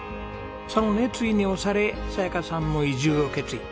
その熱意に押され早矢加さんも移住を決意。